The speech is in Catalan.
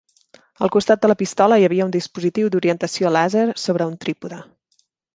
Al costat de la pistola hi havia un dispositiu d'orientació làser sobre un trípode.